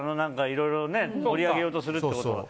いろいろ盛り上げようとするってことは。